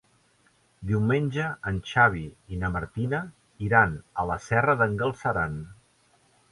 Diumenge en Xavi i na Martina iran a la Serra d'en Galceran.